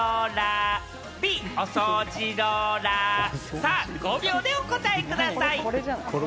さぁ、５秒でお答えください。